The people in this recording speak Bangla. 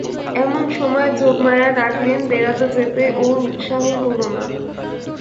এমন সময় যোগমায়া ডাকলেন বেড়াতে যেতে, ওর উৎসাহ হল না।